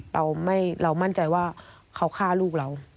เรามั่นใจว่าเขาฆ่าลูกเรา